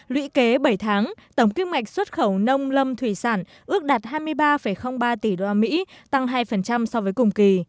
lũy kế bảy tháng tổng kim ngạch xuất khẩu nông lâm thủy sản ước đạt hai mươi ba ba tỷ usd tăng hai so với cùng kỳ